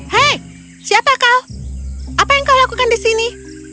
hei siapa kau apa yang kau lakukan di sini